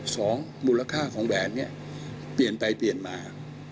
สองมูลค่าของแหวนเนี่ยเปลี่ยนไปเปลี่ยนมา